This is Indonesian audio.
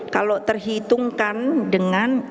kalau terhitungkan dengan